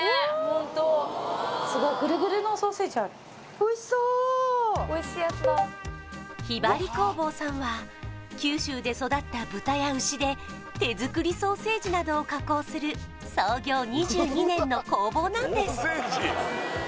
ホントすごいグルグルのソーセージあるおいしそうひばり工房さんは九州で育った豚や牛で手作りソーセージなどを加工する創業２２年の工房なんです